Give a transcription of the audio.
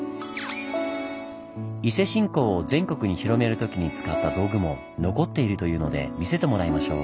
伊勢信仰を全国に広める時に使った道具も残っているというので見せてもらいましょう。